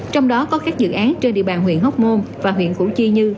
trong đó có các dự án trên địa bàn huyện hóc môn và huyện củ chi như